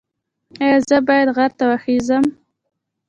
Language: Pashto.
ایا زه باید غر ته وخیزم؟